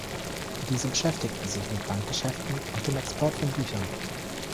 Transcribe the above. Diese beschäftigten sich mit Bankgeschäften und dem Export von Büchern.